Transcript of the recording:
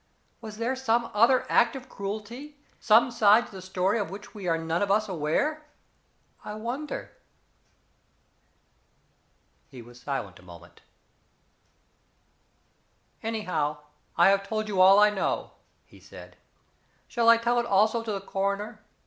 Was there some other act of cruelty some side to the story of which we are none of us aware? I wonder." He was silent a moment. "Anyhow, I have told you all I know," he said. "Shall I tell it also to the coroner?